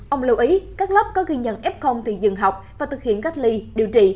ông lưu ý các lớp có ghi nhận f thì dừng học và thực hiện cách ly điều trị